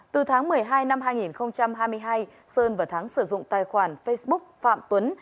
từ tháng một mươi hai năm hai nghìn hai mươi hai sơn và thắng sử dụng tài khoản facebook phạm tuấn